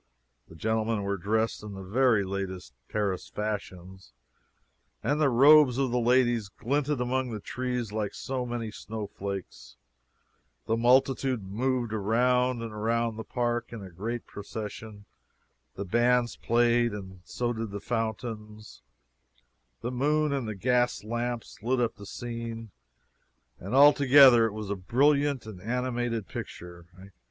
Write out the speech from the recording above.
The gentlemen were dressed in the very latest Paris fashions, and the robes of the ladies glinted among the trees like so many snowflakes. The multitude moved round and round the park in a great procession. The bands played, and so did the fountains; the moon and the gas lamps lit up the scene, and altogether it was a brilliant and an animated picture.